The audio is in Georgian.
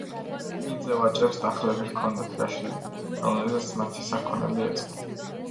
ხიდზე ვაჭრებს დახლები ჰქონდათ გაშლილი, რომლებზეც მათი საქონელი ეწყო.